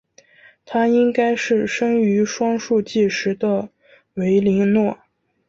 她应该是生于双树纪时的维林诺。